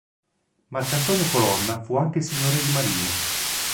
Marcantonio Colonna fu anche signore di Marino.